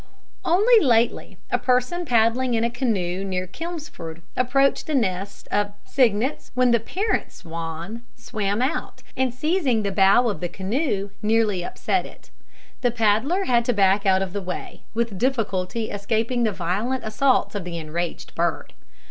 Only lately, a person paddling in a canoe near Chelmsford approached a nest of cygnets, when the parent swan swam out, and seizing the bow of the canoe, nearly upset it. The paddler had to back out of the way, with difficulty escaping the violent assaults of the enraged bird.